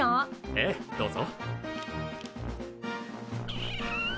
ええどうぞ。